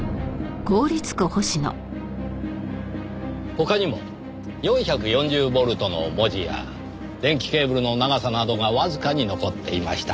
他にも４４０ボルトの文字や電気ケーブルの長さなどがわずかに残っていました。